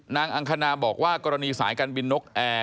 อังคณาบอกว่ากรณีสายการบินนกแอร์